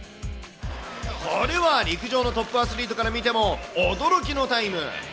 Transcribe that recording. これは、陸上のトップアスリートから見ても、驚きのタイム。